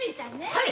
はい。